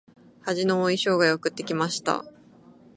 恥の多い生涯を送ってきました。